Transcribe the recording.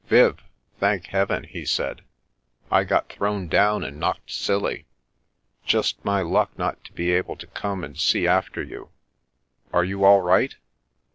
"Viv! Thank Heaven!" he said. "I got thrown down and knocked silly. Just my luck not to be able to come and see after you. Are you all right?"